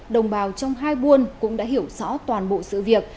đồng bào trong hai buôn cũng đã hiểu rõ toàn bộ sự việc